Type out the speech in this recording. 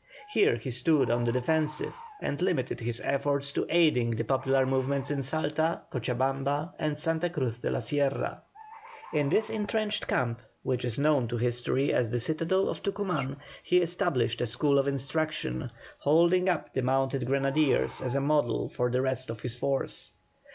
Here he stood on the defensive and limited his efforts to aiding the popular movements in Salta, Cochabamba, and Santa Cruz de la Sierra. In this entrenched camp, which is known to history as the citadel of Tucuman, he established a school of instruction, holding up the mounted grenadiers as a model for the rest of his force.